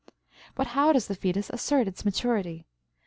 But how does the fetus assert its maturity?